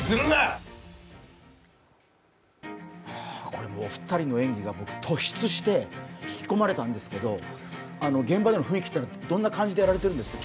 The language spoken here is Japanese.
これ、お二人の演技が突出して、引き込まれたんですけど、現場での雰囲気というのはどんな感じでやられているんですか？